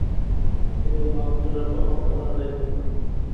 তিনি এই মহাবিদ্যালয়ের প্রথম প্রধানের দায়িত্ব গ্রহণ করেন।